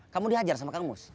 kamu dihajar sama kang mus